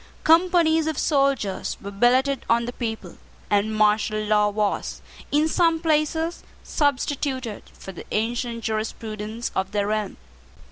Companies of soldiers were billeted on the people; and martial law was, in some places, substituted for the ancient jurisprudence of the realm.